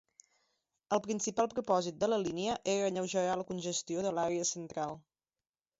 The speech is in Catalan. El principal propòsit de la línia era alleugerar la congestió de l'àrea central.